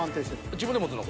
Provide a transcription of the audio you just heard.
自分で持つの？